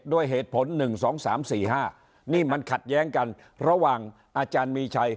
ด้วยเหตุผลหนึ่งสองสามสี่ห้านี่มันขัดแย้งกันระหว่างอาจารย์มีชัย